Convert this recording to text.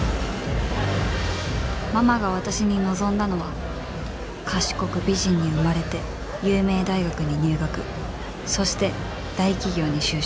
ママが私に望んだのは賢く美人に生まれて有名大学に入学そして大企業に就職